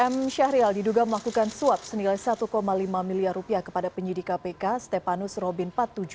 m syahrial diduga melakukan suap senilai satu lima miliar rupiah kepada penyidik kpk stepanus robin empat puluh tujuh